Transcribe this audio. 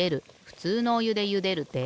ふつうのおゆでゆでるで。